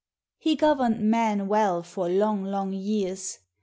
He governed Mann well for long, long years.